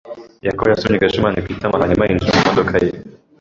Yakobo yasomye Gashema ku itama hanyuma yinjira mu modoka ye.